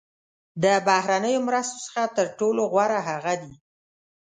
د بهرنیو مرستو څخه تر ټولو غوره هغه دي.